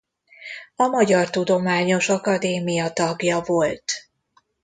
A Magyar Tudományos Akadémia tagja volt.